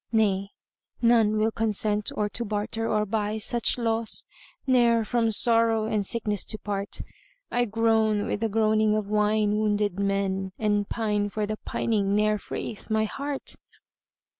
Nay, none will consent or to barter or buy * Such loss, ne'er from sorrow and sickness to part: I groan wi' the groaning of wine wounded men * And pine for the pining ne'er freeth my heart.